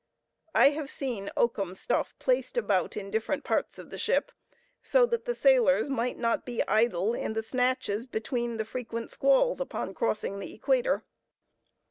I have seen oakum stuff placed about in different parts of the ship, so that the sailors might not be idle in the snatches between the frequent squalls upon crossing the equator.